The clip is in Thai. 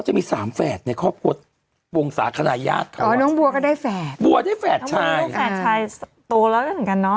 ใช่คู่เขาก็เป็นแฝดเหมือนกัน